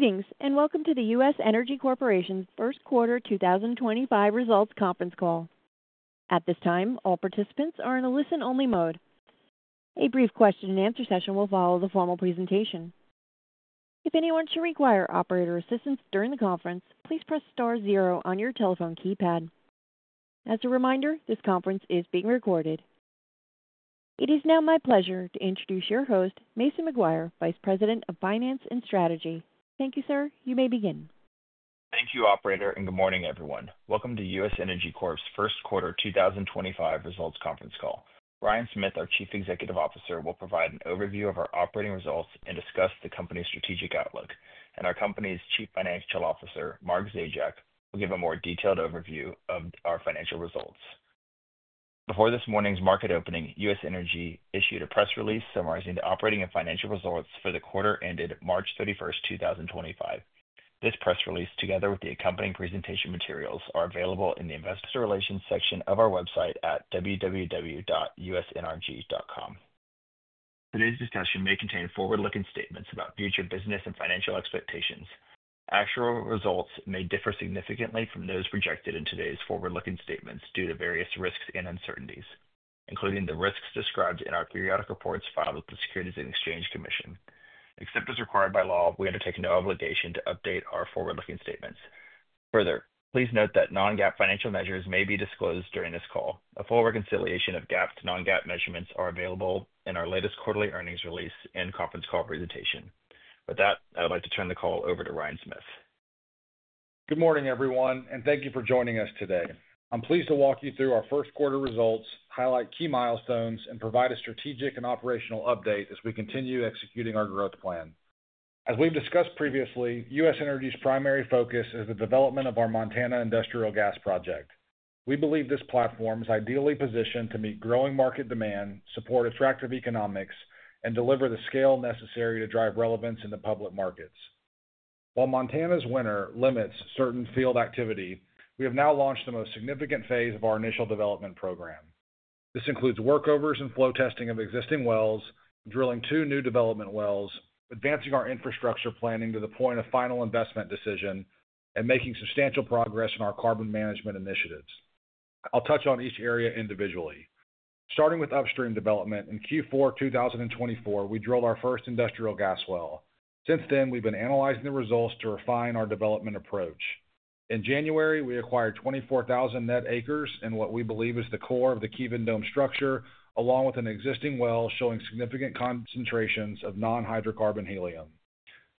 Greetings and welcome to the U.S. Energy Corporation's first quarter 2025 results conference call. At this time, all participants are in a listen-only mode. A brief question-and-answer session will follow the formal presentation. If anyone should require operator assistance during the conference, please press star zero on your telephone keypad. As a reminder, this conference is being recorded. It is now my pleasure to introduce your host, Mason McGuire, Vice President of Finance and Strategy. Thank you, sir. You may begin. Thank you, Operator, and good morning, everyone. Welcome to U.S. Energy's first quarter 2025 results conference call. Ryan Smith, our Chief Executive Officer, will provide an overview of our operating results and discuss the company's strategic outlook. Our company's Chief Financial Officer, Mark Zajac, will give a more detailed overview of our financial results. Before this morning's market opening, U.S. Energy issued a press release summarizing the operating and financial results for the quarter ended March 31st, 2025. This press release, together with the accompanying presentation materials, is available in the Investor Relations section of our website at www.usenergy.com. Today's discussion may contain forward-looking statements about future business and financial expectations. Actual results may differ significantly from those projected in today's forward-looking statements due to various risks and uncertainties, including the risks described in our periodic reports filed with the Securities and Exchange Commission. Except as required by law, we undertake no obligation to update our forward-looking statements. Further, please note that non-GAAP financial measures may be disclosed during this call. A full reconciliation of GAAP to non-GAAP measurements is available in our latest quarterly earnings release and conference call presentation. With that, I would like to turn the call over to Ryan Smith. Good morning, everyone, and thank you for joining us today. I'm pleased to walk you through our first quarter results, highlight key milestones, and provide a strategic and operational update as we continue executing our growth plan. As we've discussed previously, U.S. Energy's primary focus is the development of our Montana industrial gas project. We believe this platform is ideally positioned to meet growing market demand, support attractive economics, and deliver the scale necessary to drive relevance in the public markets. While Montana's winter limits certain field activity, we have now launched the most significant phase of our initial development program. This includes workovers and flow testing of existing wells, drilling two new development wells, advancing our infrastructure planning to the point of final investment decision, and making substantial progress in our carbon management initiatives. I'll touch on each area individually. Starting with upstream development, in Q4 2024, we drilled our first industrial gas well. Since then, we've been analyzing the results to refine our development approach. In January, we acquired 24,000 net acres in what we believe is the core of the Kevin Dome structure, along with an existing well showing significant concentrations of non-hydrocarbon helium.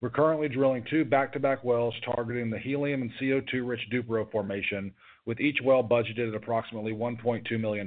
We're currently drilling two back-to-back wells targeting the helium and CO2-rich Duperow Formation, with each well budgeted at approximately $1.2 million.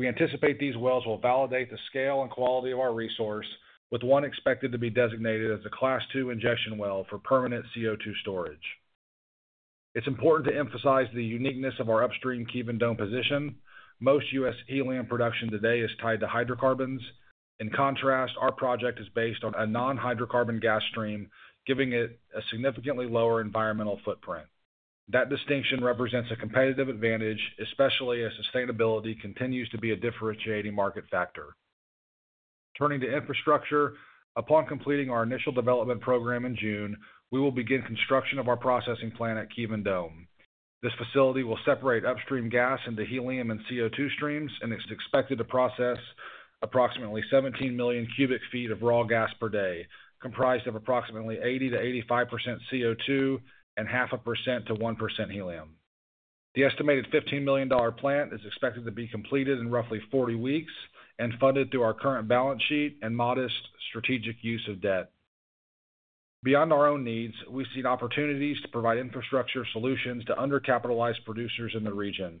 We anticipate these wells will validate the scale and quality of our resource, with one expected to be designated as a Class II injection well for permanent CO2 storage. It's important to emphasize the uniqueness of our upstream Kevin Dome position. Most U.S. helium production today is tied to hydrocarbons. In contrast, our project is based on a non-hydrocarbon gas stream, giving it a significantly lower environmental footprint. That distinction represents a competitive advantage, especially as sustainability continues to be a differentiating market factor. Turning to infrastructure, upon completing our initial development program in June, we will begin construction of our processing plant at Kevin Dome. This facility will separate upstream gas into helium and CO2 streams, and it's expected to process approximately 17 million cu ft of raw gas per day, comprised of approximately 80%-85% CO2 and 0.5%-1% helium. The estimated $15 million plant is expected to be completed in roughly 40 weeks and funded through our current balance sheet and modest strategic use of debt. Beyond our own needs, we see opportunities to provide infrastructure solutions to undercapitalized producers in the region.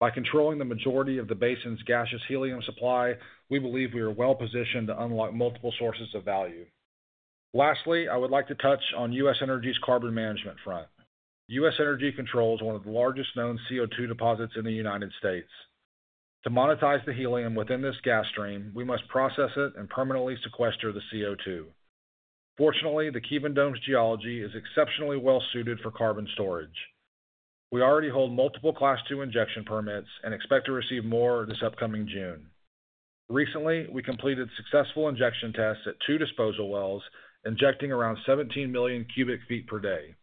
By controlling the majority of the basin's gaseous helium supply, we believe we are well positioned to unlock multiple sources of value. Lastly, I would like to touch on U.S. Energy's carbon management front. U.S. Energy controls one of the largest known CO2 deposits in the United States. To monetize the helium within this gas stream, we must process it and permanently sequester the CO2. Fortunately, the Kevin Dome's geology is exceptionally well suited for carbon storage. We already hold multiple Class II injection permits and expect to receive more this upcoming June. Recently, we completed successful injection tests at two disposal wells, injecting around 17 million cu ft per day.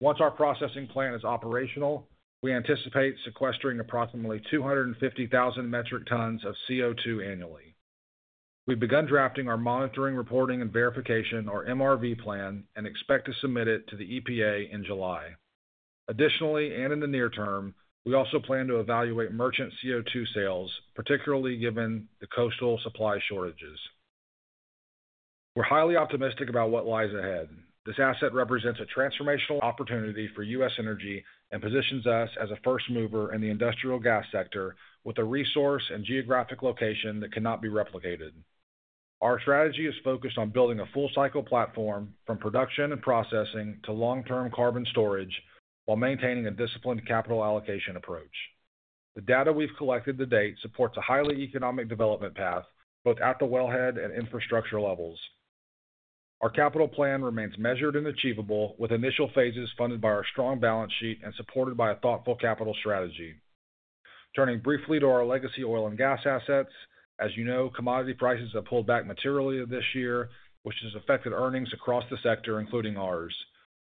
Once our processing plant is operational, we anticipate sequestering approximately 250,000 metric tons of CO2 annually. We've begun drafting our monitoring, reporting, and verification, or MRV, plan and expect to submit it to the EPA in July. Additionally, and in the near term, we also plan to evaluate merchant CO2 sales, particularly given the coastal supply shortages. We're highly optimistic about what lies ahead. This asset represents a transformational opportunity for U.S. Energy and positions us as a first mover in the industrial gas sector with a resource and geographic location that cannot be replicated. Our strategy is focused on building a full-cycle platform from production and processing to long-term carbon storage while maintaining a disciplined capital allocation approach. The data we've collected to date supports a highly economic development path both at the wellhead and infrastructure levels. Our capital plan remains measured and achievable, with initial phases funded by our strong balance sheet and supported by a thoughtful capital strategy. Turning briefly to our legacy oil and gas assets, as you know, commodity prices have pulled back materially this year, which has affected earnings across the sector, including ours.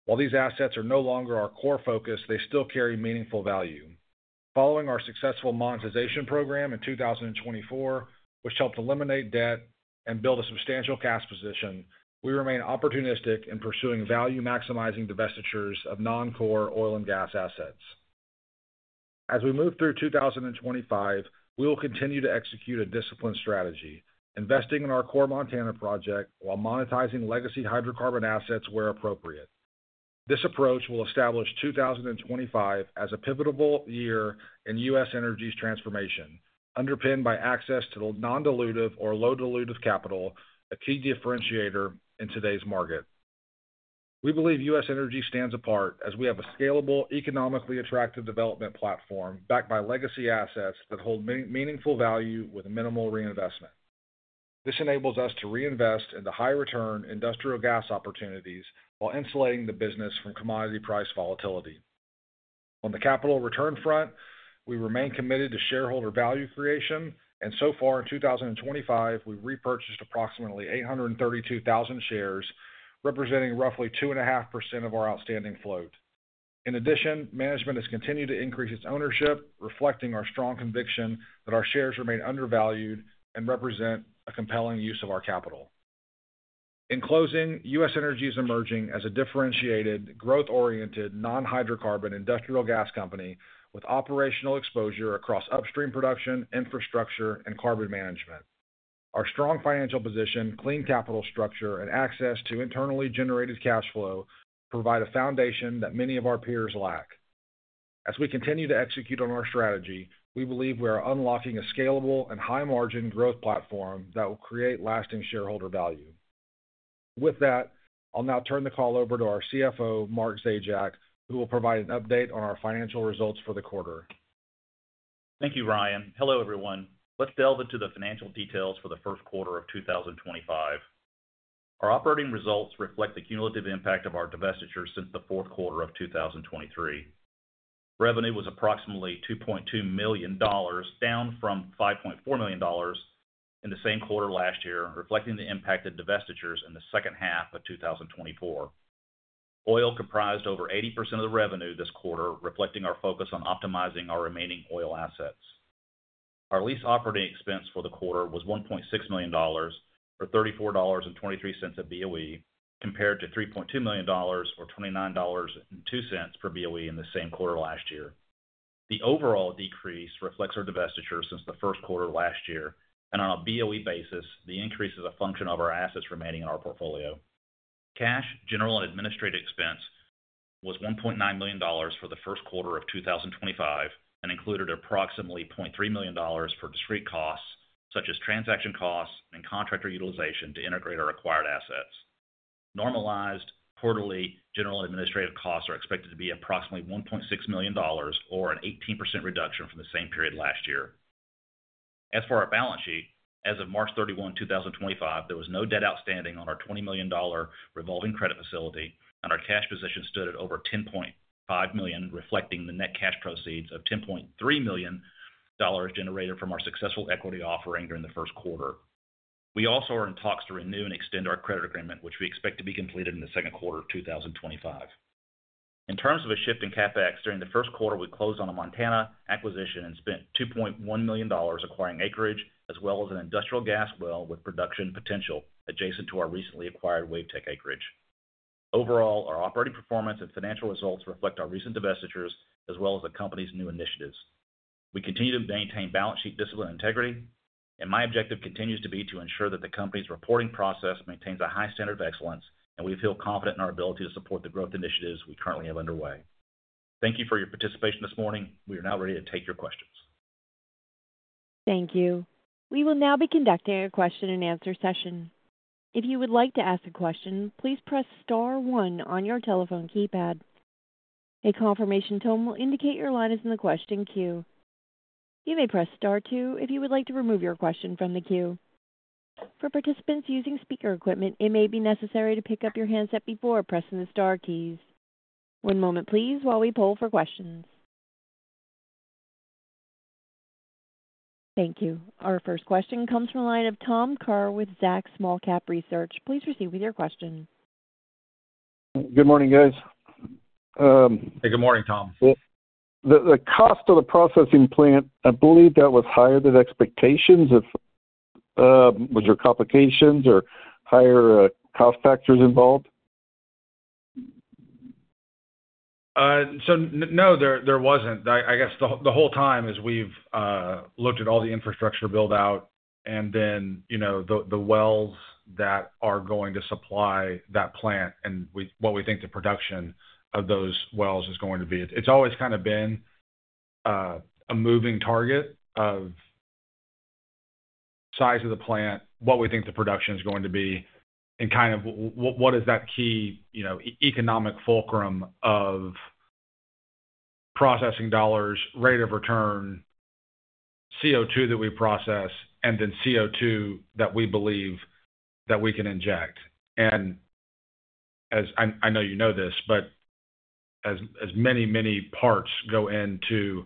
While these assets are no longer our core focus, they still carry meaningful value. Following our successful monetization program in 2024, which helped eliminate debt and build a substantial cash position, we remain opportunistic in pursuing value-maximizing divestitures of non-core oil and gas assets. As we move through 2025, we will continue to execute a disciplined strategy, investing in our core Montana project while monetizing legacy hydrocarbon assets where appropriate. This approach will establish 2025 as a pivotal year in U.S. Energy's transformation, underpinned by access to non-dilutive or low-dilutive capital, a key differentiator in today's market. We believe U.S. Energy stands apart as we have a scalable, economically attractive development platform backed by legacy assets that hold meaningful value with minimal reinvestment. This enables us to reinvest in the high-return industrial gas opportunities while insulating the business from commodity price volatility. On the capital return front, we remain committed to shareholder value creation, and so far in 2025, we've repurchased approximately 832,000 shares, representing roughly 2.5% of our outstanding float. In addition, management has continued to increase its ownership, reflecting our strong conviction that our shares remain undervalued and represent a compelling use of our capital. In closing, U.S. Energy is emerging as a differentiated, growth-oriented, non-hydrocarbon industrial gas company with operational exposure across upstream production, infrastructure, and carbon management. Our strong financial position, clean capital structure, and access to internally generated cash flow provide a foundation that many of our peers lack. As we continue to execute on our strategy, we believe we are unlocking a scalable and high-margin growth platform that will create lasting shareholder value. With that, I'll now turn the call over to our CFO, Mark Zajac, who will provide an update on our financial results for the quarter. Thank you, Ryan. Hello, everyone. Let's delve into the financial details for the first quarter of 2025. Our operating results reflect the cumulative impact of our divestitures since the fourth quarter of 2023. Revenue was approximately $2.2 million, down from $5.4 million in the same quarter last year, reflecting the impact of divestitures in the second half of 2024. Oil comprised over 80% of the revenue this quarter, reflecting our focus on optimizing our remaining oil assets. Our lease operating expense for the quarter was $1.6 million, or $34.23 a BOE, compared to $3.2 million, or $29.02 per BOE in the same quarter last year. The overall decrease reflects our divestitures since the first quarter last year, and on a BOE basis, the increase is a function of our assets remaining in our portfolio. Cash, general, and administrative expense was $1.9 million for the first quarter of 2025 and included approximately $0.3 million for discrete costs such as transaction costs and contractor utilization to integrate our acquired assets. Normalized quarterly general administrative costs are expected to be approximately $1.6 million, or an 18% reduction from the same period last year. As for our balance sheet, as of March 31, 2025, there was no debt outstanding on our $20 million revolving credit facility, and our cash position stood at over $10.5 million, reflecting the net cash proceeds of $10.3 million generated from our successful equity offering during the first quarter. We also are in talks to renew and extend our credit agreement, which we expect to be completed in the second quarter of 2025. In terms of a shift in CapEx, during the first quarter, we closed on a Montana acquisition and spent $2.1 million acquiring acreage as well as an industrial gas well with production potential adjacent to our recently acquired WaveTech acreage. Overall, our operating performance and financial results reflect our recent divestitures as well as the company's new initiatives. We continue to maintain balance sheet discipline integrity, and my objective continues to be to ensure that the company's reporting process maintains a high standard of excellence, and we feel confident in our ability to support the growth initiatives we currently have underway. Thank you for your participation this morning. We are now ready to take your questions. Thank you. We will now be conducting a question-and-answer session. If you would like to ask a question, please press star one on your telephone keypad. A confirmation tone will indicate your line is in the question queue. You may press star two if you would like to remove your question from the queue. For participants using speaker equipment, it may be necessary to pick up your handset before pressing the Star keys. One moment, please, while we pull for questions. Thank you. Our first question comes from a line of Tom Kerr with Zacks Smallcap Research. Please proceed with your question. Good morning, guys. Hey, good morning, Tom. The cost of the processing plant, I believe that was higher than expectations. Was there complications or higher cost factors involved? No, there wasn't. I guess the whole time is we've looked at all the infrastructure built out and then the wells that are going to supply that plant and what we think the production of those wells is going to be. It's always kind of been a moving target of size of the plant, what we think the production is going to be, and kind of what is that key economic fulcrum of processing dollars, rate of return, CO2 that we process, and then CO2 that we believe that we can inject. I know you know this, but as many, many parts go into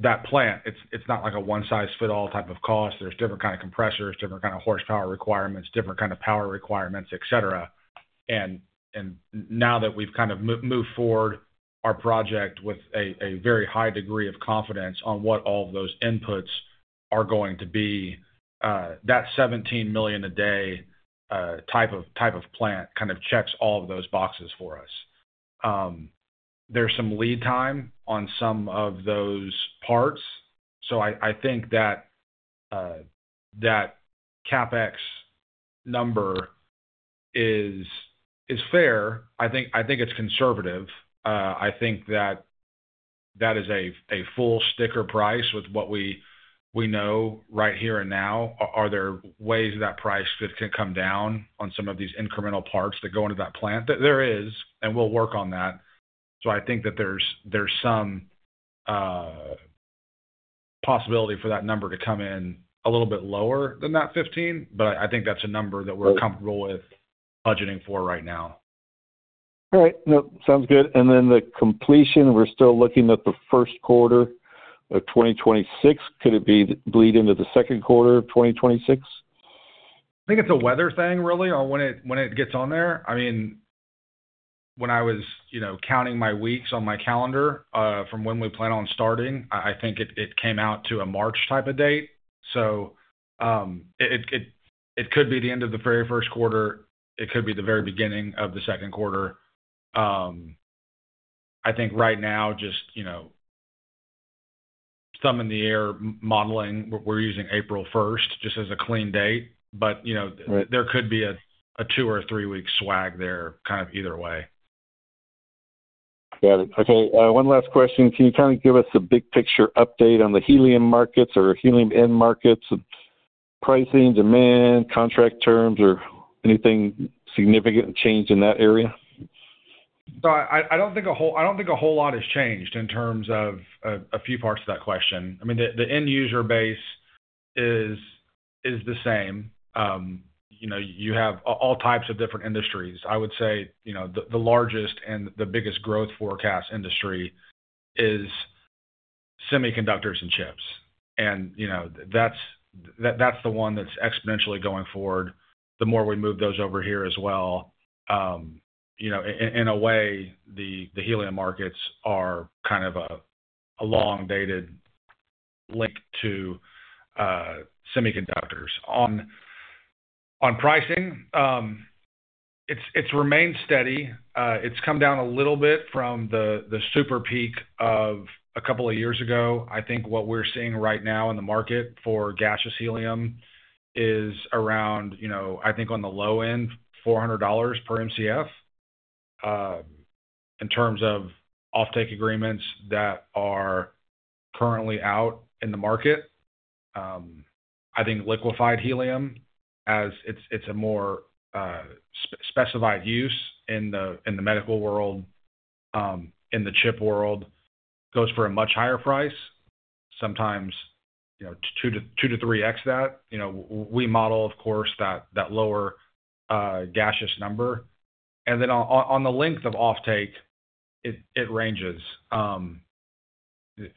that plant, it's not like a one-size-fits-all type of cost. There are different kinds of compressors, different kinds of horsepower requirements, different kinds of power requirements, etc. Now that we've kind of moved forward our project with a very high degree of confidence on what all of those inputs are going to be, that $17 million a day type of plant kind of checks all of those boxes for us. There's some lead time on some of those parts. I think that CapEx number is fair. I think it's conservative. I think that that is a full sticker price with what we know right here and now. Are there ways that price could come down on some of these incremental parts that go into that plant? There is, and we'll work on that. I think that there's some possibility for that number to come in a little bit lower than that 15, but I think that's a number that we're comfortable with budgeting for right now. All right. Sounds good. The completion, we're still looking at the first quarter of 2026. Could it bleed into the second quarter of 2026? I think it's a weather thing, really, when it gets on there. I mean, when I was counting my weeks on my calendar from when we plan on starting, I think it came out to a March type of date. It could be the end of the very first quarter. It could be the very beginning of the second quarter. I think right now, just thumbing the air, modeling, we're using April 1st just as a clean date, but there could be a two- or three-week swag there kind of either way. Got it. Okay. One last question. Can you kind of give us a big picture update on the helium markets or helium end markets, pricing, demand, contract terms, or anything significant change in that area? I do not think a whole lot has changed in terms of a few parts of that question. I mean, the end user base is the same. You have all types of different industries. I would say the largest and the biggest growth forecast industry is semiconductors and chips. That is the one that is exponentially going forward. The more we move those over here as well, in a way, the helium markets are kind of a long-dated link to semiconductors. On pricing, it has remained steady. It has come down a little bit from the super peak of a couple of years ago. I think what we are seeing right now in the market for gaseous helium is around, I think, on the low end, $400 per MCF in terms of offtake agreements that are currently out in the market. I think liquefied helium, as it is a more specified use in the medical world, in the chip world, goes for a much higher price, sometimes two to three X that. We model, of course, that lower gaseous number. On the length of offtake, it ranges. The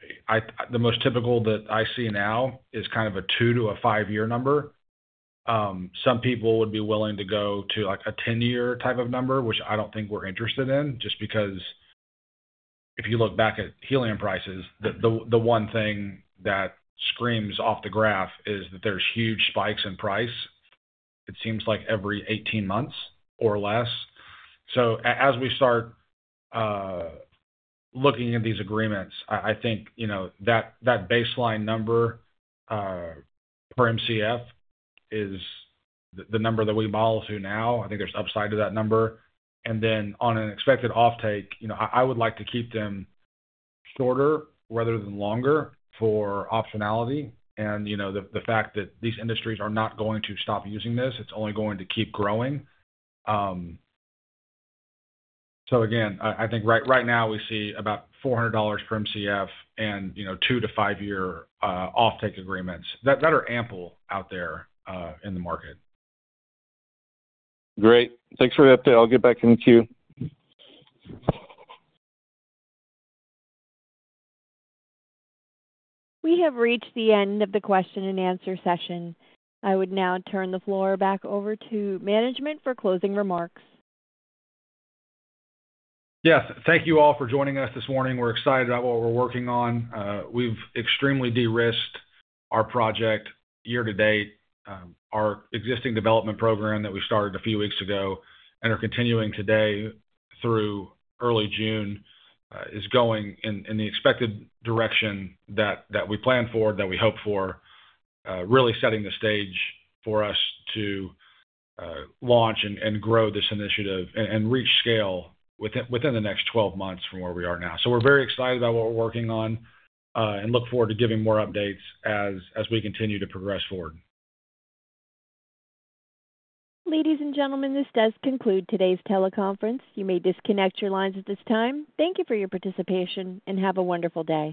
most typical that I see now is kind of a two- to five-year number. Some people would be willing to go to a 10-year type of number, which I do not think we are interested in, just because if you look back at helium prices, the one thing that screams off the graph is that there are huge spikes in price. It seems like every 18 months or less. As we start looking at these agreements, I think that baseline number per MCF is the number that we model to now. I think there is upside to that number. On an expected offtake, I would like to keep them shorter rather than longer for optionality and the fact that these industries are not going to stop using this. It's only going to keep growing. Again, I think right now we see about $400 per MCF and two to five year offtake agreements that are ample out there in the market. Great. Thanks for the update. I'll get back in the queue. We have reached the end of the question-and-answer session. I would now turn the floor back over to management for closing remarks. Yes. Thank you all for joining us this morning. We're excited about what we're working on. We've extremely de-risked our project year to date. Our existing development program that we started a few weeks ago and are continuing today through early June is going in the expected direction that we plan for, that we hope for, really setting the stage for us to launch and grow this initiative and reach scale within the next 12 months from where we are now. We are very excited about what we're working on and look forward to giving more updates as we continue to progress forward. Ladies and gentlemen, this does conclude today's teleconference. You may disconnect your lines at this time. Thank you for your participation and have a wonderful day.